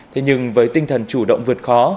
thế nhưng với tinh thần chủ động vượt khó